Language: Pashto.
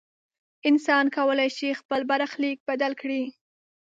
انسان کولی شي خپل برخلیک بدل کړي.